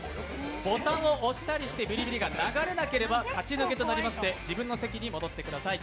ボタンを押したりしてビリビリが流れなければ勝ち抜けとなりまして自分の席に戻ってください。